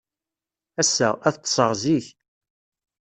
Ass-a, ad ḍḍseɣ zik.